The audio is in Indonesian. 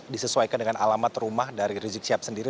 disesuaikan dengan alamat rumah dari rizik sihab sendiri